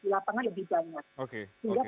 lapangan lebih banyak